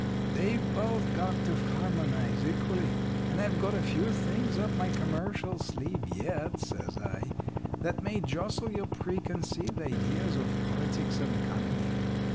They've both got to harmonize equally. And I've got a few things up my commercial sleeve yet,' says I, 'that may jostle your preconceived ideas of politics and economy.